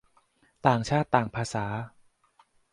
ต่างชาติต่างภาษา